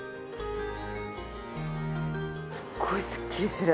すごいすっきりする。